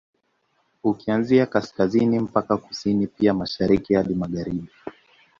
Ukianzia Kaskazini mpaka Kusini pia Mashariki hadi Magharibi